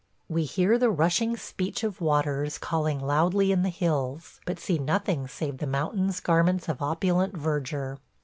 We hear the rushing speech of waters calling loudly in the hills, but see nothing save the mountain's garments of opulent verdure.